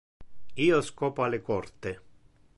Io scopa le corte.